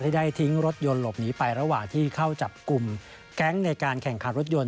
ได้ทิ้งรถยนต์หลบหนีไประหว่างที่เข้าจับกลุ่มแก๊งในการแข่งขันรถยน